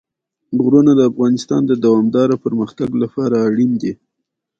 غرونه د افغانستان د دوامداره پرمختګ لپاره اړین دي.